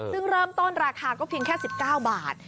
ซึ่งเริ่มต้นราคาก็เพียงแค่๑๙บาท